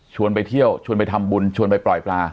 ไปเที่ยวชวนไปทำบุญชวนไปปล่อยปลา